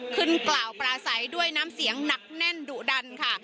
ขึ้นกล่าวปราศัยด้วยน้ำเสียงหนักแน่นดุดันค่ะ